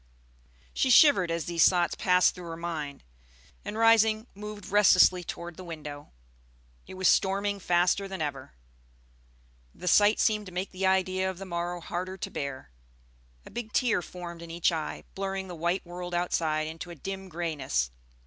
She shivered as these thoughts passed through her mind, and rising moved restlessly toward the window. It was storming faster than ever. The sight seemed to make the idea of the morrow harder to bear; a big tear formed in each eye, blurring the white world outside into a dim grayness.